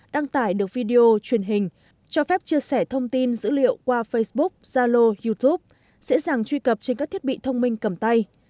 đăng tải được video truyền hình cho phép chia sẻ thông tin dữ liệu qua facebook zalo youtube dễ dàng truy cập trên các thiết bị thông minh cầm tay